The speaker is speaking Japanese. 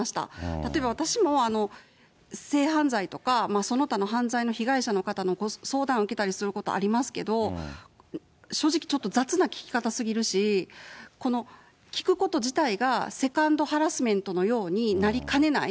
例えば私も性犯罪とかその他の犯罪の被害者の方の相談受けたりすることありますけど、正直ちょっと雑な聞き方すぎるし、聞くこと自体がセカンドハラスメントのようになりかねない。